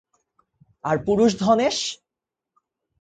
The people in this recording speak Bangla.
আর পুরুষ ধনেশ?